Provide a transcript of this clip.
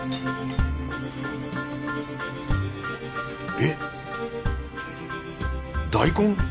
えっ大根！？